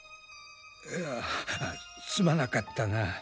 いやすまなかったな。